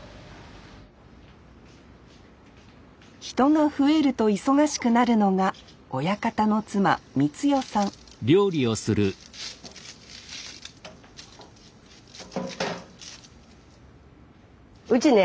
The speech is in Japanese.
人が増えると忙しくなるのが親方のうちね